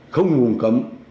không vùng cấm